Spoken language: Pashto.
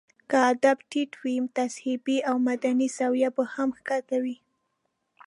که ادب ټيت وي، تهذيبي او مدني سويه به هم ښکته وي.